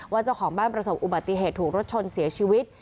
เจ้าของบ้านประสบอุบัติเหตุถูกรถชนเสียชีวิต